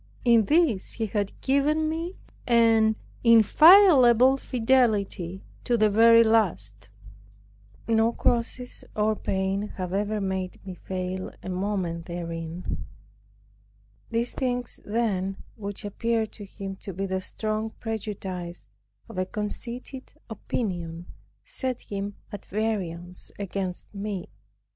In this he had given me an inviolable fidelity to the very last. No crosses or pains have ever made me fail a moment therein. These things then, which appeared to him to be the strong prejudice of a conceited opinion, set him at variance against me.